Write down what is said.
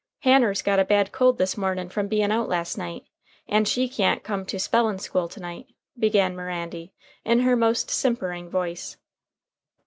"Hanner's got a bad cold this mornin' from bein' out last night, and she can't come to spellin' school to night," began Mirandy, in her most simpering voice.